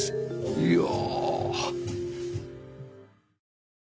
いやあ